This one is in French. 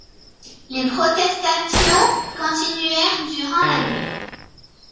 Les protestations continuèrent durant la nuit.